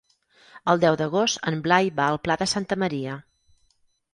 El deu d'agost en Blai va al Pla de Santa Maria.